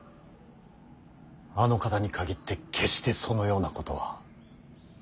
あの方に限って決してそのようなことは。